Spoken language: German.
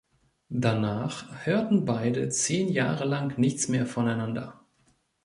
Danach hörten beide zehn Jahre lang nichts mehr voneinander.